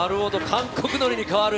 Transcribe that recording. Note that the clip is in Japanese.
韓国のりに変わる。